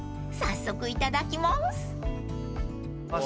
［早速いただきます］